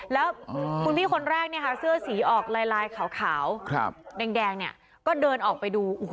แล้วคุณพี่คนแรกเสื้อสีออกลายขาวแดงเนี่ยก็เดินออกไปดู